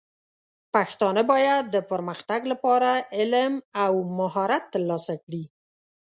پښتانه بايد د پرمختګ لپاره علم او مهارت ترلاسه کړي.